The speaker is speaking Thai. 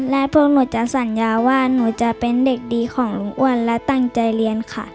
และพวกหนูจะสัญญาว่าหนูจะเป็นเด็กดีของลุงอ้วนและตั้งใจเรียนค่ะ